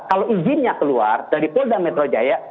kalau izinnya keluar dari polda metro jaya